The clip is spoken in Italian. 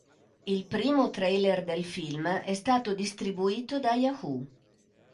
Il primo trailer del film è stato distribuito da Yahoo!